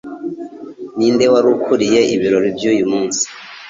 Ninde wari ukuriye ibirori by'uyu munsi?